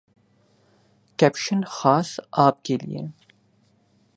caption خاص آپ کے لیے